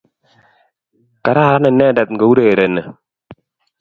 Kararan inendet ngourereni